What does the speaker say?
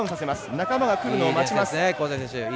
仲間がくるのを待ちます。